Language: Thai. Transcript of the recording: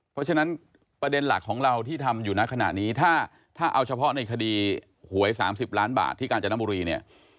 เพราะฉะนั้นประเด็นหลักของเราที่ทำอยู่ในขณะนี้ถ้าเอาเฉพาะในคดีหวย๓๐ล้านบาทที่กาญจนบุรีเนี่ย